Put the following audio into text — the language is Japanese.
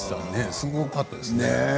すごかったですね。